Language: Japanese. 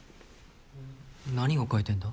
何を描いてんだ？